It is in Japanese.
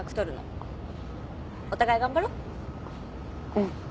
うん。